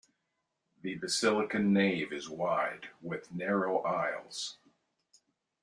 The basilican nave is wide, with narrow aisles.